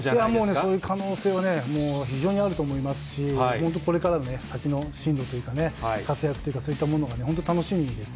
もうね、その可能性は非常にあると思いますし、本当、これからね、先の進路というかね、活躍とか、そういったものがね、本当、楽しみです